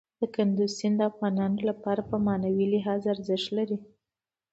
کندز سیند د افغانانو لپاره په معنوي لحاظ ارزښت لري.